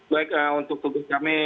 baik untuk tugas kami